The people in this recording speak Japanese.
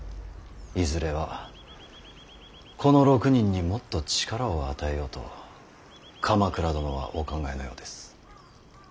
いずれはこの６人にもっと力を与えようと鎌倉殿はお考えのようです。